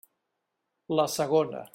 La segona.